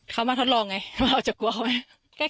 เขามาทดลองไงว่าจะกลัวเขาไหม